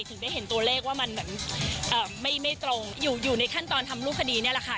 ถึงได้เห็นตัวเลขว่ามันเหมือนไม่ตรงอยู่ในขั้นตอนทำรูปคดีนี่แหละค่ะ